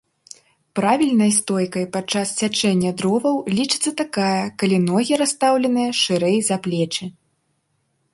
Правільнай стойкай падчас сячэння дроваў лічыцца такая, калі ногі расстаўленыя шырэй за плечы.